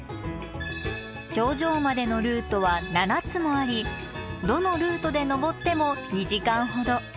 頂上までのルートは７つもありどのルートで登っても２時間ほど。